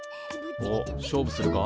おっ勝負するか？